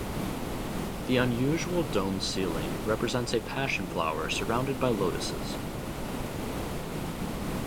The unusual domed ceiling represents a passion flower surrounded by lotuses.